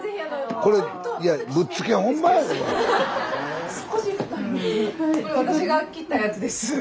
これ私が切ったやつです。